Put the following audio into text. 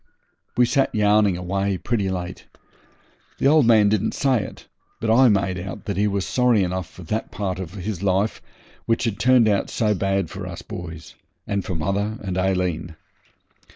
We sat yarning away pretty late. The old man didn't say it, but I made out that he was sorry enough for that part of his life which had turned out so bad for us boys, and for mother and Aileen.